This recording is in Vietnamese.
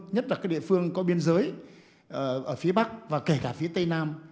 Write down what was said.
nhất là các địa phương có biên giới ở phía bắc và kể cả phía tây nam